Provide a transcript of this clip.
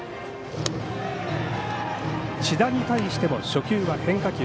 千田に対しても初球は変化球。